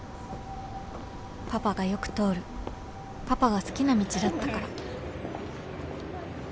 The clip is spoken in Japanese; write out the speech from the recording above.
［パパがよく通るパパが好きな道だったから］